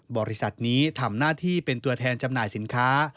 บริษัทนี้ทำหน้าที่เป็นตัวแทนจำหน่ายสินค้า